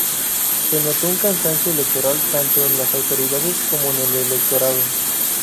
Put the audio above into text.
Se notó un cansancio electoral tanto en las autoridades como en el electorado.